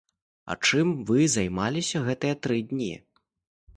А чым вы займаліся гэтыя тры дні?